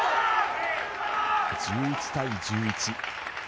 １１対１１。